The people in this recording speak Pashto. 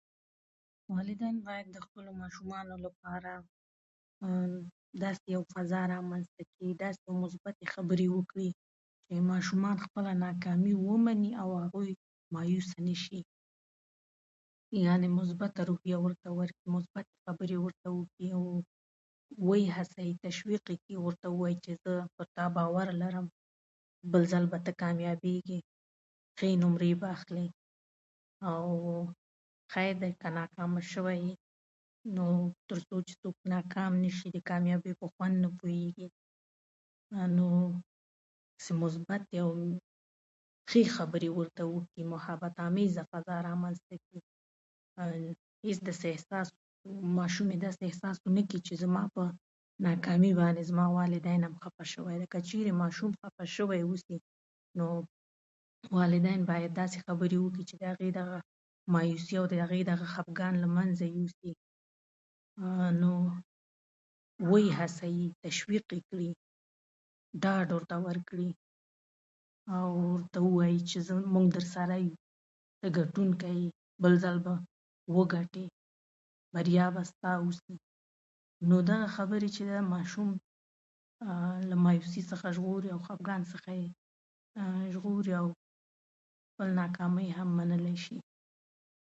ولادين بايد د خپلو ماشومانو لپاره داسې يوه فضا رامنځته کړي، داسې مثبتې خبرې وکړي چې ماشومان خپله ناکامي ومني او هغوی مايوسه نه شي. يعنې مثبته روحيه ورته ورکړي، مثبتې خبرې ورته وکړي او وې هڅوي، تشويق یې کړي او ورته ووايي چې زه پر تا باور لرم، بل ځل به ته کاميابېږې، ښې نمرې به اخلې. او هېره دې، که ناکامه شوی یې نو تر څو چې څوک ناکام نه شي، د کاميابۍ په خوند نه پوېږي. نو داسې مثبتې او ښې خبرې ورته وکړي، محبت تاميزه فضا رامنځته کړي. ايس داسې احساس، ماشوم داسې احساس ونه کړي چې زما په ناکامۍ باندې زما والدين خفه شوي دي. که چېرې ماشوم خفه شوی اوسي، نو والدين بايد داسې خبرې وکړي چې د هغه مايوسي او د هغه داغه خفګان له منځه يوسي. نو وې هڅوي، تشويق یې کړي، ډاډ ورته ورکړي او ورته ووايي چې زه او موږ درسره يو، ته ګډون يې، بل ځل به وګټې، بريا به ستا اوسي. نو دغه خبرې چې ماشوم له مايوسۍ څخه ژغوري او له خفګان څخه یې ژغوري او خپل ناکامي هم منلی شي.